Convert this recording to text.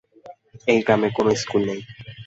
এই গ্রামে কোনো স্কুল নেই।